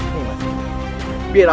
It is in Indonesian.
mau kemana kalian